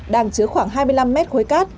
đang chứa khoảng hai mươi năm m khối cát